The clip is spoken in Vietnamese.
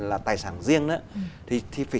là tài sản riêng nữa thì phải